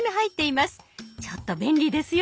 ちょっと便利ですよ。